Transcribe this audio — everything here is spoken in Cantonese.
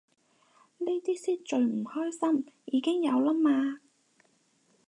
呢啲先最唔關心，已經有啦嘛